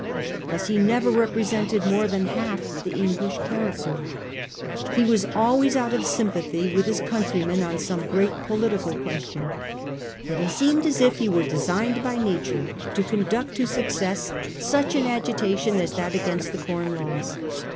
Thus he never represented more than half the English character. He was always out 342 A HISTORY OF OUR OWN TIMES. OH. XIY. of sympathy with his countrymen on some great political question. But he seemed as if he were designed by nature to conduct to success such an agitation as that against the Com Laws.